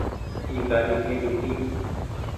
اي گآڏي ڪيري هيتي